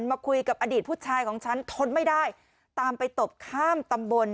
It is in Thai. มาคุยกับอดีตผู้ชายของฉันทนไม่ได้ตามไปตบข้ามตำบล